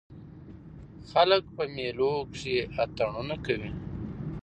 خلک په مېلو کښي اتڼونه کوي.